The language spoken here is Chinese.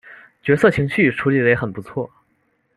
角色情绪处理的也很不错